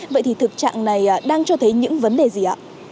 vậy thì thực trạng này đang cho thấy những vấn đề gì ạ